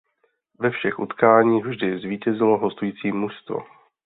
Ve všech utkáních vždy zvítězilo hostující mužstvo.